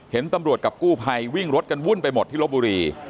เห็นตำรวจกับกู้ภัยวิ่งรถกันวุ่นไปหมดที่ลบบุรี